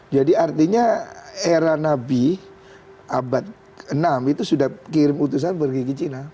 jadi artinya era nabi abad enam itu sudah kirim utusan pergi ke cina